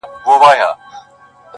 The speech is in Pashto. o خلک خپل ژوند ته ځي تل,